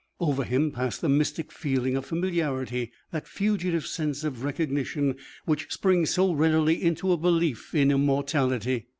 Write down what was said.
Over him passed the mystic feeling of familiarity, that fugitive sense of recognition which springs so readily into a belief in immortality.